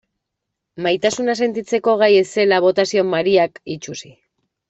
Maitasuna sentitzeko gai ez zela bota zion Mariak itsusi.